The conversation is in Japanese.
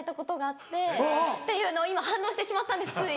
っていうのを今反応してしまったんですつい。